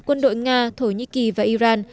quân đội nga thổ nhĩ kỳ và iran